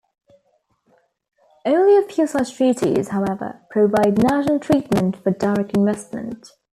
Only a few such treaties, however, provide national treatment for direct investment.